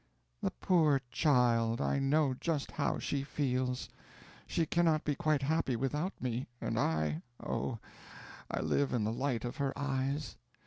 "The poor child, I know just how she feels. She cannot be quite happy without me; and I oh, I live in the light of her eyes!